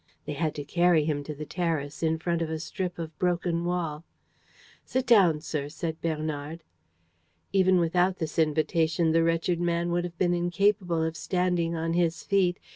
They had to carry him to the terrace, in front of a strip of broken wall. "Sit down, sir," said Bernard. Even without this invitation, the wretched man would have been incapable of standing on his feet.